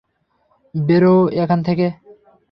বেরোও এখান থেকে!